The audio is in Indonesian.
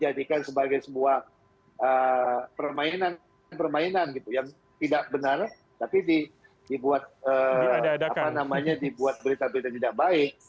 jangan dijadikan sebagai sebuah permainan permainan gitu yang tidak benar tapi dibuat berita berita tidak baik